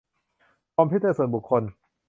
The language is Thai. คอมพิวเตอร์ส่วนบุคคล